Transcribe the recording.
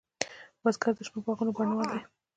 بزګر د شنو باغونو بڼوال دی